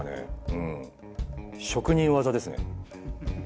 うん職人技ですね。